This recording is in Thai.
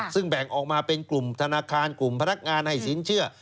ซึ่งแบ่งออกมาเป็นกลุ่มธนาคารกลุ่มพนักงานให้สินเชื่อ